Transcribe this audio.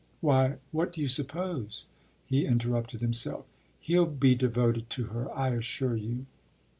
Why what do you suppose ” He interrupted himself. “He’ll be devoted to her, I assure you.